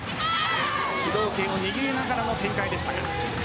主導権を握りながらの展開でしたが。